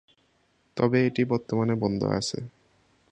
তবে এটি বর্তমানে বন্ধ আছে।